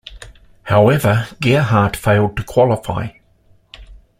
However, Gerhart failed to qualify.